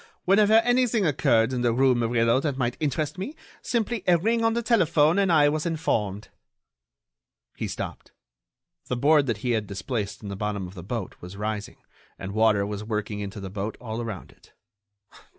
Whenever anything occurred in the rue Murillo that might interest me, simply a ring on the telephone and I was informed." He stopped. The board that he had displaced in the bottom of the boat was rising and water was working into the boat all around it.